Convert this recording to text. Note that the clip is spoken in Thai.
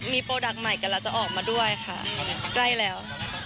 มีโปรดักต์ใหม่กำลังจะออกมาด้วยค่ะใกล้แล้ว